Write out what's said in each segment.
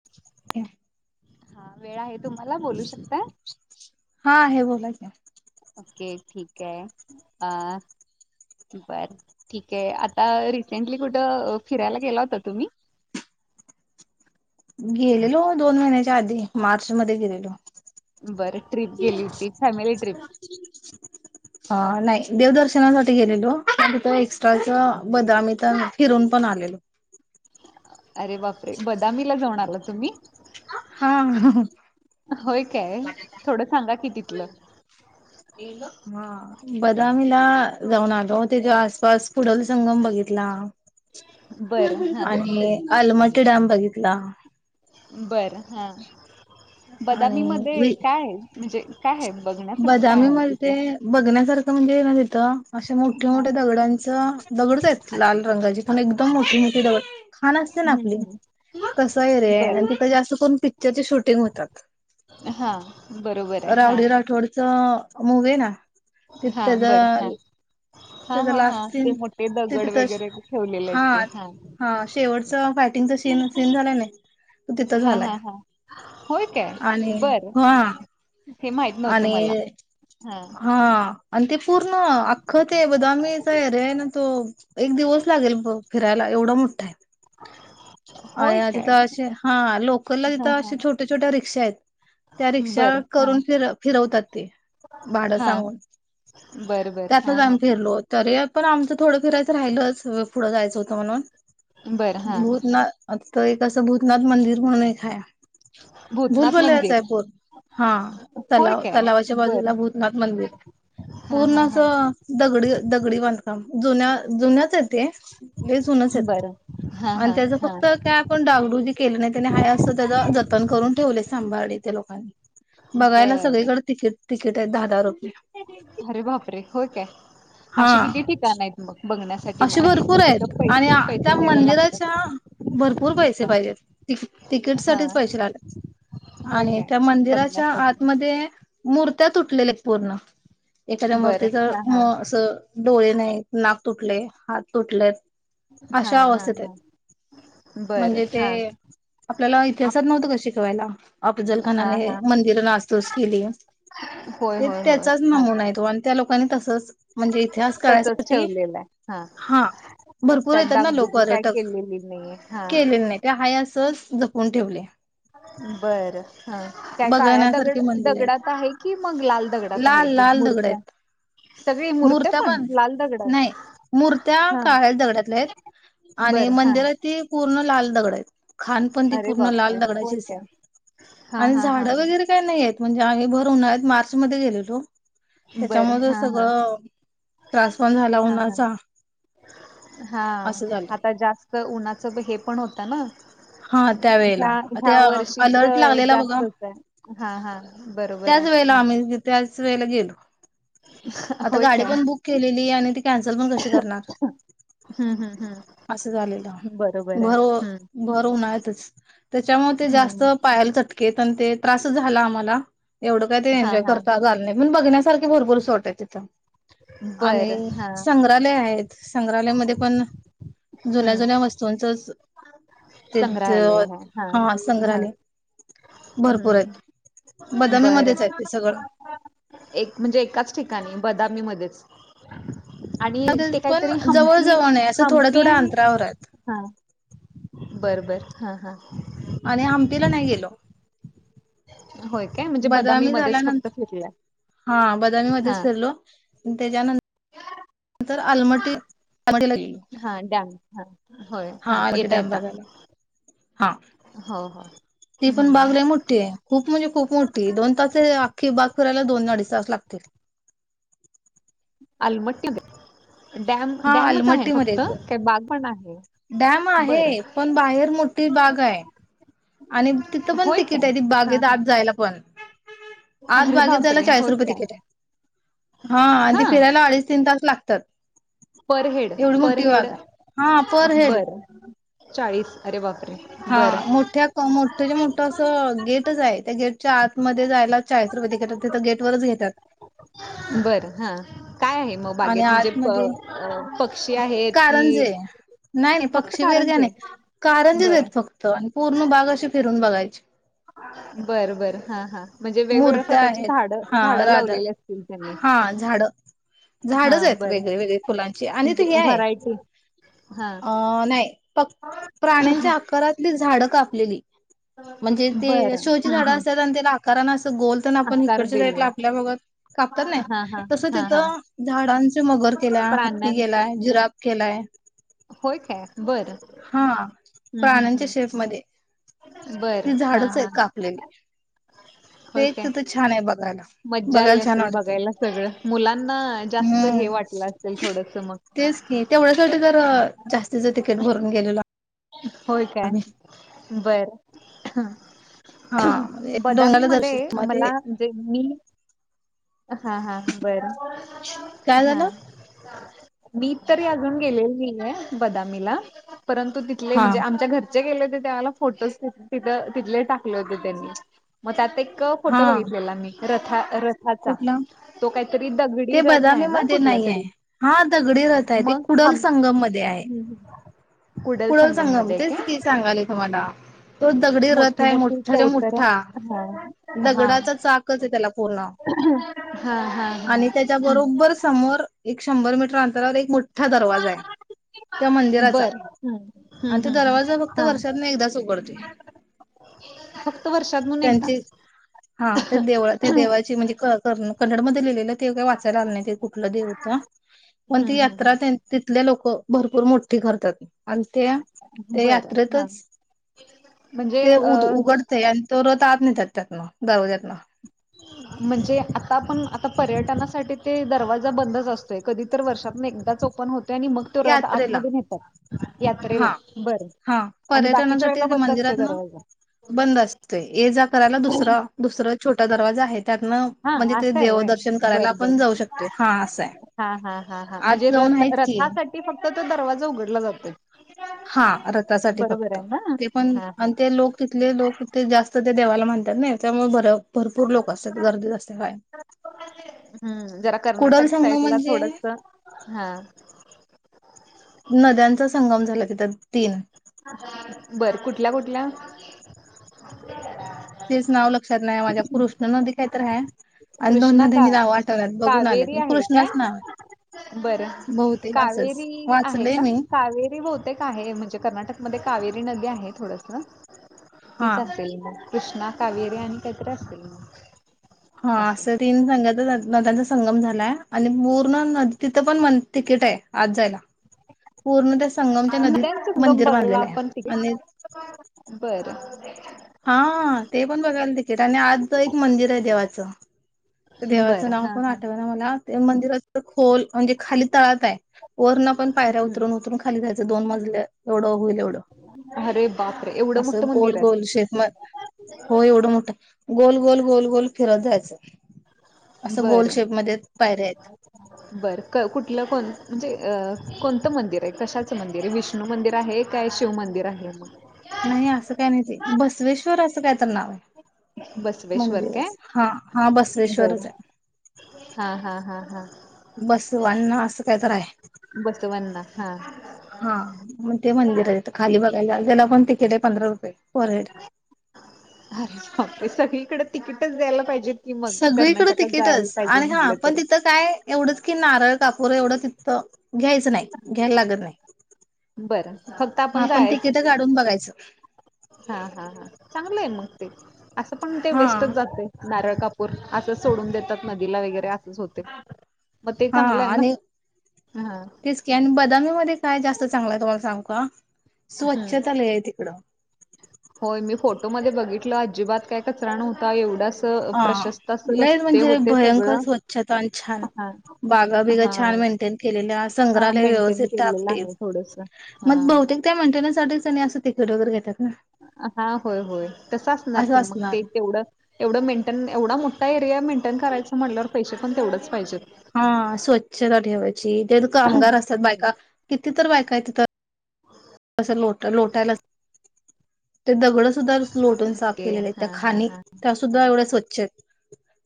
[inaudible] हा वेळ आहे तुम्हाला बोलू शकताय. हा आहे बोला की. ओके ठीक आहे अ. बर ठीके हे, आता रिसेंटली कुठं फिरायला गेला होता तुम्ही? गेलेलो दोन महिन्याच्या आधी, मार्च मध्ये गेलेलो. बरं ट्रिप गेली होती फॅमिली ट्रिप. हा नाही देव दर्शनासाठी गेलेलो, प तिथं एक्स्ट्राच बदामी त. फिरून पण आलेलो. अरे बापरे बदामी ला जाऊन आला तुम्ही. हा होय काय? थोडं सांगा कि तिथलं. [unintelligible] [inaudible] हा बदामीला जाऊन आलो, त्याच्या आसपास कुडलं संगम बघितला. बरं हां आणि आलमटी डॅम बघितला. बर हा, बदामी मध्ये आणि काय आहे? म्हणजे काय आहे बघण्याकरच काय बदामी आहे तिथं? मध्ये बघण्यासारखं म्हणजे ये ना तथं अशे मोठे हां मोठ्या दगडांच, दगडच आहेत लाल रंगाची पण एकदम मोठी मोठी दगड. खान असते ना आप आपली तसा एरिया आहे, बरं आणि तिथं जास्त करून पिक्चरचे शूटिंग होतात. हा, बरोबर आहे हा. थोडस [unintelligible] आहे ना तिथ हां तेझा बरं हां हा हा हा, ते मोठे ते दगड तिथं वगैरे ठेवलेले आहेत ते हा. हा, शेवटच फायटिंगच सीन, सीन झालाय की नाही तो तिथं हा हा झालाय, हा होय काय आणि बरं हा हे माहित नव्हतं मला आणि हा आणि ते पूर्ण अख्खं ते बघाम्हीच एरिया रे आहे ना तो एक दिवस लागेल बग फिरायला, एवढा मोठा आहे. होय आया काय तिथं असे, हा, लोकलला हा तिथं हा अे छोट्या छोट्या रिक्षा आहेत. त्या रिक्षा बरं हा करून फिर फिरवतात ते, भाड हा सांग बरं बरं हा त्यातच हा आम्ही हा फिरलो. तरी पण आमचं थोडं फिरायचं राहिलंच, पुढं जायचं होतं म्हणून. बरं हा भूतनाथ, आ एक असं भूतनाथ मंदिर म्हणून एक हाय. भूतनाथ भुलबोलयचा मंदिर आहे पोर, हा. होय काय तलावाच्या बाजूला बरं भूतनाथ मंदिर हा पूर्ण हा हा असं दगडी, दगडी बांधकाम जुन्या जुन्याच आहे ते. हे जुनंच आहेत, बरं हा आणि हा त्याच हा फक्त काय पण डागडुगी केलं नाही, त्याने हाय असं त्याच जतन करून ठेवले सांभाळले त्या लोकांनी. बघायला बरं सगळीकडे तिकीट, तिकीट आहे दहा दहा रुपये. अरे बापरे! हो काय, हा अशी किती ठिकाण आहेत मग बघण्यासारखी अशी भरपूर आहेत, आणि त्या द्यायला मंदिराच्या लागतात भरपूर पैसे हा पाहिजेत. त तिकीट हा साठीच पैसे लागले, होय आणि काय? त्या मंदिराच्या बघण्यासाठी. आतमध्ये मूर्त्या तुटलेल्या आहेत पूर्ण, एखाद्या बरं मूर्तीच हा हा असं डोळे नाहीत, नाक तुटलय, हात तुटलेत. हा अशा हा अवस्थेत आहेत, हा बरं म्हणजे ते हा. आपल्याला इतिहासात नव्हतं का शिकवायला. हा अफजलखानाने हा मंदिर नासतूस केली, होय ते होय होय. त्याचाच हा नमुना तो. त्या लोकांनी तसंच, म्हणजे इतिहास तसच काळायसाठी ठेवलेलं आहे. हा, भरपूर त्यात येतात ना लोक, डागडुजी काय पर्यटक केलेली नाहीये. हा केलेले नाही. ते हाय असच जपून ठेवलय. बरं हा, काय काळ्या बघण्यासारखे दगड मंदिर आहेत. दगडात आहे की, मग लाल दगडात आहे लाल ते लाल दगड मूर्त्या? आहेत सगळी मूर्त्या पण, लाल दगडात नाही मूर्त्या हा. काळ्या दगड्यातल्या आहेत. आणि बरं हा. मंदिरात ती पूर्ण लाल दगड आहेत, खानपण ती अरे पूर्ण लाल बापरे! होय दगडाचीच काय? आहे. हा आणि हा हा झाडं हा वगैरे काय नाही आहेत, म्हणजे आम्ही भर उन्हाळ्यात मार्च मध्ये गेलेलो. बरं त्याच्यामध्ये हा हा सगळं त्रास पन झाला हा हा. उ्हाचा. हा आता जास्त उन्हाचं हे पण होतं ना. हा त्यावेेळेला ह्य ते ह्य वर्षीच अलर्ट लागलेला बघा जास्तच आहे हा हा. बरोबर त्याच आहे वेळेला हा आम्ही त्याच वेळेला गेलो. आता होय गाडी काय पण बुक केलेली आणि ती कॅन्सल पण कशी करणार. हम्म हम्म असं झालेलं हम् बरोबर आहे भर हम्म. भर होनच त्याच्यामुळे ते जास्त हम्म पायाला चटकेत आणि ते त्रासच झाला आम्हाला. एवढं काय ते हा एनजॉय हा करता घाल नाही मण बघण्यासारखे भरपूर सोट आहे तिथं. बरं आणि हा संग्रहालय आहेत संग्रहालय म पण जुन्या जुन्या हम्म वस्तू सनसस संग्रहालय ह हा हा. भरपूर आहेत हम्म बरं बदामीमध्येच आहेत ते सगळं एक म्हणजे एकाच ठिकाणी बदामी मध्येच. ‌ आणि ते पण काहीतरी जवळ हमपी जवळ नाही असं थोड्या हमपी थोड्या आणि अंतरावर आहेत हा बरबर हा हा. आणि आमटीला नाही गेलो. होय काय म्हणजे बदामी मध्येच फक्त फिरल्या. हा बदामीमध्येध्ये सरलो त्याच्यानंत नंतर आलमटी [unintelligible] हा ड्स हा होय हा आलमटी येता डॅम येत- बघायला हा. हो हो. ती पण हम्म बागला मोठठी आहे. खूप म्हणजे खूप मोठी दोन तासखी बाग फिरायला दोन अडीच तास लागतील. आलमट्टी डॅम हा डॅमच आहे आलमट्टीमध्ये फक्त येत काही बाग पण आहे. डॅम आहे बरं पण बाहेर मोठी बाग आहे. आणि तिथं पण होय तिकीट काय आहे ती हा बागेत हा आज जायला पण. आज अरे बागेत जायला बापरे चाळीस होय रुपये काय तिकीट आहे हा आणि त फिरायला अडीच तीन तास लागतात. पर हेड एवढी पर मोठी हेड बाग आहे हा पर हेड बरं चाळीस अरे वापरे बरं मोठं ज मोठं असं गेटच आहे त्या गेटच्या आतमध्ये जायला चाळीस रुपये त गेट तेथ गेट वच घेतात. बरं हा काय आहे? मग आणि बागेत म्हणजे आतमध्ये पक्षी आहेत कि कारंजे नाही नाही पक्षी वेरग्या नाही कारंजच बरं आहेतेत फक्त. आणि पूर्ण बाग अशी फिरून बघायची. [inaudible] बरं बरं हा हां म्हणजे वेगवेगळ्या मूर्त्या प्रकारची आहेत झाड हा झाडं राधा लावलेली असतील त्यांनी. हा झाड झाडच हा आहेत बरं वेगळे वेगळे फुलांची आणि ते म्हणजे हे आहे व्हरायटी हा अ नाही. फक् प्राण्यांच्या आकारातली झाडं कापलेली. म्हणजे ते बरं शोची हं झाड हं असत आणि त्याला आकार अस गोल आपण आकार इकडच जाई दिले आपल्या बघत कापतात नाही हा हा तसं हा हा तिथं झाडांचे मगर केला हत्ती प्राण्यांच केलाय जिराब केलाय. होय काय बरं हा हं हं प्राणीच्या हं शेफ मध्ये. ती बरं हा झाडच आहे हा कापलेली ते होय एक काय तिथं छान आहे बघायला. मज्जा आली बघायला छान असेल वाटत बघायला सगळं! मुलांना जास्त हे हम्म वाटलं असेल, थोडंसं मग. तेच की! तेवढ्यासाठी जरा जास्तीचं तिकीट भरून गेलेलो. होय काय, आम्ही बरं, हा म्हणजे हम्म. डोंगराला दर्शन बदामीमध्ये मध्ये मला, म्हणजे मी हा-हा, बर, काय हा. झालं मी तरी अजून गेलेली नाहीये बदामीला, परंतु तिथले, हा म्हणजे आमच्या घर जे गेले होते त्यावेळेला, फोटोस तिथं-तिथले टाकले होते त्यांनी, मग त्यात काही हा क-फोटो बघितलेला मी रथा-रथाचा. कुठला तो काहीतरी दगडी ते रथ आहे बदामी ना मध्ये कुठला नाही तरी? आहे हा दगडी रथ आहे ते मग? कुडल हम्, संगम मध्ये आहे हम्म-हूं, कुडल सं [inaudible] तेच की सांगालेय तुम्हाला. तो दगडी रथ मोठी आहे, मोठी मोठाच्या चौतर मोठ्ठा! हा हा दगडाचा हा चाकच आहे त्याला पूर्ण. हा. हा आणि हम्म. त्याच्याबरोबर समोर, एक-शंभर मीटर अंतरावर एक मोठा दरवाजा आहे. त्या मंदिराचा, बर हम्म हम्म आणि तो हम्म दरवाजा फक्त हम्म हा वर्षातनं एकदाच उघडतो. फक्त वर्षातुन एकदा? हा, त्या देवळा-त्या देवाची म्हणजे' क-कन्नडमध्ये लिहिलेले ते काय वाचायला आलं नाही ते कुठला देव होता, पण हम्म ती हम्म यात्रा तिथली लोकं भरपूर मोठ्ठी करतात. आणि ते, हम्म त्या बरं हा यात्रेतच, म्हणजे ते अ उद-उघड ते आणि तो रथ आत नेतात त्यातनं, दरवाज्यातनं. [inaudible] म्हणजे, आत्ता पण, आत्ता पर्यटनासाठी ते दरवाजा बंदच असतोय, कधी तर वर्षातनं एकदाच ओ पण होतय आणि मग तो रथ यात्रेला आतमध्ये नेतात, यात्रेला. हा बर! हा, पर्यटनासाठी ते मंदिरातनं... बंद असतंय, ये-जा करायला दुसरा दुसरं छोटा दरवाजा आहे, त्यातनं हा, म्हणजे ते असं आहे होय? देवदर्शन करायला आपण बरं-बरं! जाऊ शकतोय हा असंय हा हा हा हा, आत म्हणजे जाऊन आहेत की रथ-रथासाठी ती फक्त तो दरवाजा उघडला जातोय. हा, रथासाठी बरोबर फक्त. आहे ना ते पण, हा हा आणि ते लोक तिथले लोक ते जास्त त्या देवाला मानतात ना, त्यामुळे भर भरपूर लोकं असतात, गर्दीच असते कायम. हम्म, जरा कर्नाटक संगम साईडला म्हणजे थोडसं, हा नद्यांचा संगम झालाय तिथं, तीन! बरं! कुठल्या, कुठल्या? तेच नाव लक्षात नाही माझ्या, कृष्णा नदी काहीतरी आहे. आणि दोन कृष्णा का नदयांची नावं आठवनात, बघून आले कावेरी मी, आहे कृष्णाच नाव आहे. काय बरं! बहुतेक असंच कावेरी आहे वाचलय का? मी कावेरी बहू तेक आहे, म्हणजे कर्नाटकमध्ये कावेरी नदी आहे थोडसं, हा तीच असेल मग. कृष्णा, कावेरी आणि काहीतरीे असेल मं. हा, असेल. तीन संग्याचा-नद-नद्यांचा संगम झालाय, आणि पूर्ण नदी-तिथं पण तिकीट आहे आत जायला. पूर्ण त्या संगमच्या नदीत नद्यांचा संगम मंदिर बघायला बांधलेलं आहे, आपण आणि तिकीट बरं! हा! ते पण बघायला तिकीट, आणि आतलं एक मंदिर आहे देवाचं. त्या देवाचं बरं नाव हा पण हा आठव मला वाटते मंदिरात खोल म्हणजे खाली तळात आहे, वरण आपण पायऱ्या उतरून हम्म उतरुन खा खाली जायं दोन मजले. एवढं होईल एवढं अरे बापरे एवढं असं मोठं गोल मंदिर गोल शेखमल हो एवढं मोठं गोल गोल गोल गोल फिरत जायचं. असं गोल बरं! शेप मध्ये पायऱ्या आहेत बर कुठलं कोण म्हणजे कोणतं मंदिर आहे कशाचं मंदिर आहे विष्ण विष्णू मंदिर आहे काय शिव मंदिर आहे? नाही असं काय नाही ते बसवेश्वर असं काय तर नाव आहे. बसवेश्वर काय? मंदिरच हा हा बसवेश्वरच बरं आहे. हा हा हा हा बस अणना असं काय तर आहे. बसवांना हा. हा मग ते मंदिर आहे खाली बघायला त्याला पण तिकीट आहे पंधरा रुपये पर हेड. अरे बापरे! सगळीकडे तिकीटच द्यायला पाहिजे. की मग सगळीकडे कर्नाटकात जायला तिकीटच आणि हा म्हटलं पण तर. तिथं काय एवढंच की नारळ कापूर एवढं तथं घ्यायचं नाही घ्यायला लागत नाही. बरं फक्त आपण हा पण तिकीट काढून बघायचं. हा हा हा चांगलं आहे मग ते असं पण ते हा वेस्टच जाते. नारळ कापूर असंच सोडून देतात नदीला वगैरे असच होते. हे हा चांगला आहे ना. आणि हां तेच क आणि बदामीमध्ये काय जास्त चांगलं आहे तुम्हाला सांगतो आ. हम्म. स्वच्छतालय आहे तिकडं. होय मी फोटोमध्ये बघितलं अजिबात काय कचरा नवता एवढाच हा लईच म्हणजे भयंकर सगळं. स्वच्छता आणि छान हां बागा बिगा छान हां मेंटेन. केलेल्या हां संग्रहालय मेंटेन व्यवस्थित केलेलं आहे थोडसं तापटिप मग हां. बहुतेक त्यामध्ये मंदिरांसाठीच त्यांनी असं तिकीट वगैरे घेतात ना. हा होय होय तस असणार की मग ते तेवढं एवढं मेंटेन एवढा मोठा एरिया मेंटेन करायचां म्हटल्यावर पैसे पण तेवढंच पाहिजे. हा स्वच्छता ठेवायची ज कामगार असतात हम्म. बायका किती तर बायका आहेत तिथ. कं लोट लोटायला ते दगड सुद्धा लोटून साफ ओके केलेले हा त्या हा खाणि हा सुद्धा एवढे स्वच्छ आहेत.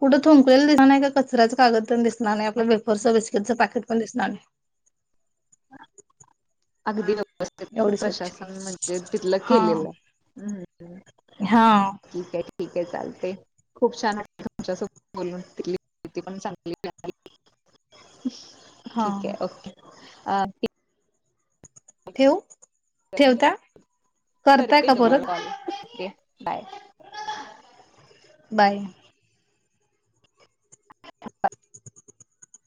कुठे थुंकण्याचे दिसणार नाही की कचऱ्याचे कागद दिस दिसणार नाही आपलं बेफरचं, बस्कीटचं, पाकेट पण दिसणार नाही. अगदी वव एवढी स्वच्छ प्रशासन म्हणजे तिथलं हा केलेलं हम्. हा ठीक आहे ठीक आहे चालते. खूप छान तुमच्यासत बोलून तथली पण चांगली हा ठीक आहे ओके अ ठेऊ. म्हणजे करताय करते का तुम्हाला परत कॉल ओके बाय. बाय. [inaudible] [inaudible]